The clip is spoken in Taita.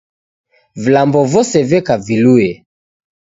Vilambo vose veka vilue.